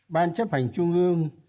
ban chấp hành trung ương